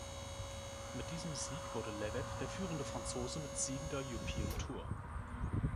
Mit diesem Sieg wurde Levet der führende Franzose mit Siegen der European Tour.